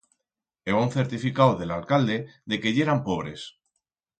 Heba un certificau de lo alcalde de que yeran pobres.